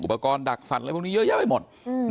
ปกรณ์ดักสัตว์อะไรพวกนี้เยอะแยะไปหมด